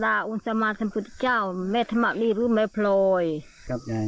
ประสัตว์ศราอุณสมาสัมพุทธเจ้าแม่ธรรมลีรุมแม่โปรยครับยาย